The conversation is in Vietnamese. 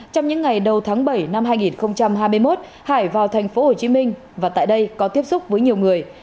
trong những ngày đầu tháng bảy năm hai nghìn hai mươi một hải vào thành phố hồ chí minh và tại đây có tiếp xúc với nhiều người